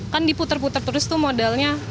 kan diputer puter terus tuh modalnya